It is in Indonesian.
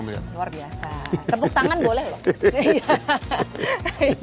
tepuk tangan boleh loh